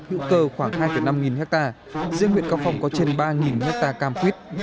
hữu cơ khoảng hai năm nghìn hectare riêng huyện cao phong có trên ba nghìn hectare cam khuyết